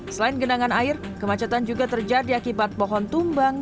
selain genangan air kemacetan juga terjadi akibat pohon tumbang